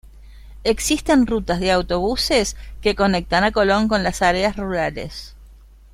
Existen rutas de autobuses que conectan a Colón con las áreas rurales.